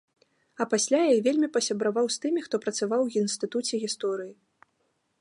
А пасля я вельмі пасябраваў з тымі, хто працаваў у інстытуце гісторыі.